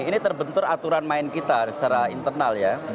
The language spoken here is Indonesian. ini terbentur aturan main kita secara internal ya